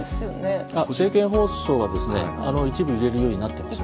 政見放送は一部入れるようになってます。